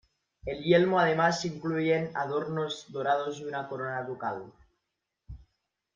El yelmo además incluyen adornos dorados y una corona ducal.